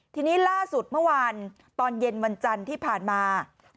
ทีนี้ล่าสุดเมื่อวานตอนเย็นวันจันทร์ที่ผ่านมา